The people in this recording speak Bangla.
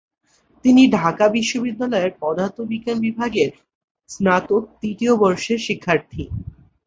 তিনি ঢাকা বিশ্ববিদ্যালয়ের পদার্থবিজ্ঞান বিভাগের স্নাতক তৃতীয় বর্ষের শিক্ষার্থী।